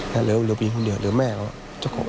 เหลือบี๊คนเดียวแล้วแม่เขาร่า